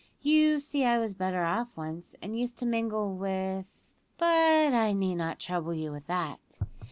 You see I was better off once, and used to mingle with but I need not trouble you with that.